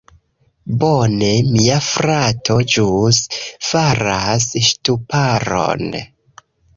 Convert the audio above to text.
Bone, mia frato ĵus faras ŝtuparon.